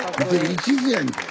一途やん。